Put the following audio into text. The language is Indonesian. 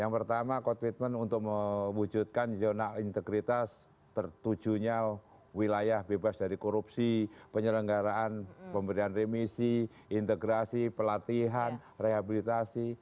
yang pertama komitmen untuk mewujudkan zona integritas tertujunya wilayah bebas dari korupsi penyelenggaraan pemberian remisi integrasi pelatihan rehabilitasi